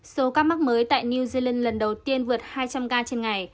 số ca mắc mới tại new zealand lần đầu tiên vượt hai trăm linh ca trên ngày